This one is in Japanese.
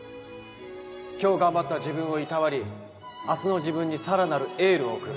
今日頑張った自分をいたわり明日の自分にさらなるエールを送る。